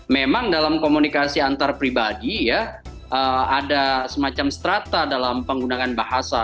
memang dalam komunikasi antar pribadi ya ada semacam strata dalam penggunaan bahasa